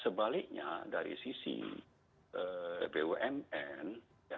sebaliknya dari sisi bumn